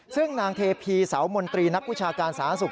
ซึ่งนางเทพีเสามนตรีนักวิชาการสาธารณสุข